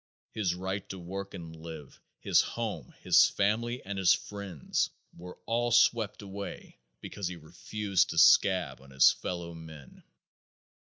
His right to work and live, his home, his family and his friends were all swept away because he refused to scab on his fellowmen.